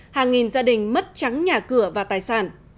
hàng nghìn gia đình mất trắng nhà cửa và tài sản